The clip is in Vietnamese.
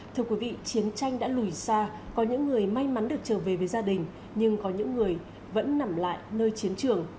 thưa quý vị chiến tranh đã lùi xa có những người may mắn được trở về với gia đình nhưng có những người vẫn nằm lại nơi chiến trường